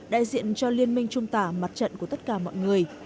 đại diện cho liên minh trung tả mặt trận của tất cả mọi người